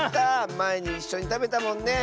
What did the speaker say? まえにいっしょにたべたもんね。